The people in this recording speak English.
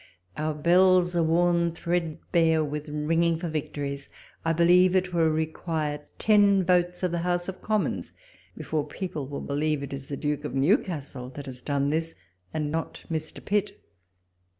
Our bells are worn threadbare with ring ing for victories. I believe it will require ten votes of the House of Commons before people will believe it is the Duke of Newcastle that has done this, and not Mr. Pitt.